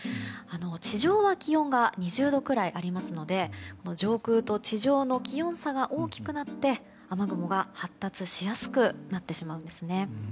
地上の気温は２０度くらいありますので上空と地上の気温差が大きくなって雨雲が発達しやすくなってしまうんですね。